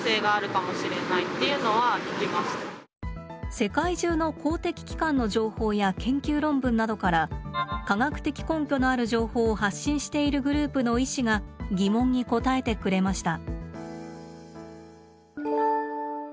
世界中の公的機関の情報や研究論文などから科学的根拠のある情報を発信しているグループの医師が疑問に答えてくれました。